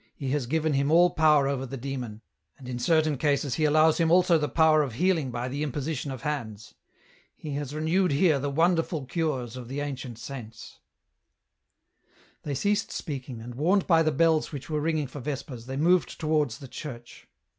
He has given him all power over the Demon ; and in certain cases He allows him also the power of healing by the imposi tion of hands. He has renewed here the wonderful cures of the ancient saints." They ceased speaking, and, warned by the bells which were ringing for Vespers, they moved towards the church.